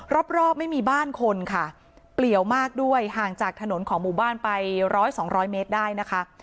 รอบไม่มีบ้านคนค่ะเปลี่ยวมากด้วยห่างจากถนนของหมู่บ้านไปร้อยสองร้อยเมตรได้นะคะ